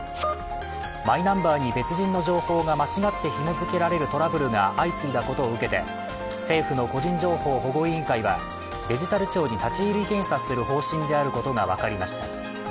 マイナンバーに別人の情報が間違ってひも付けられるトラブルが相次いだことを受けて、政府の個人情報保護委員会はデジタル庁に立ち入り検査する方針であることが分かりました。